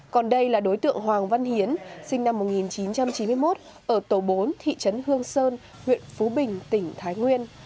còn đây là đối tượng hoàng văn hiến sinh năm một nghìn chín trăm chín mươi một ở tổ bốn thị trấn hương sơn huyện phú bình tỉnh thái nguyên